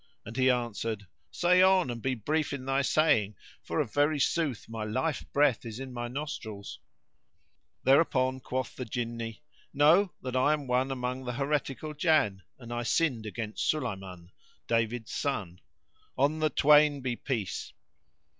and he answered, "Say on, and be brief in thy saying, for of very sooth my life breath is in my nostrils."[FN#70] Thereupon quoth the Jinni, "Know, that I am one among the heretical Jann and I sinned against Sulayman, David son (on the twain be peace!)